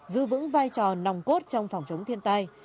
giữ vững vai trò nòng cốt trong phòng chống thiên tai